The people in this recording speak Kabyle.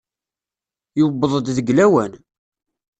Yuweḍ-d deg lawan.